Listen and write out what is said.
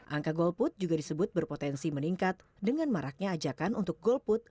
angka golput juga disebut berpotensi meningkat dengan maraknya ajakan untuk golput